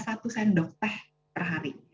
satu sendok teh perhari